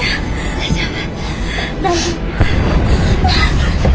大丈夫。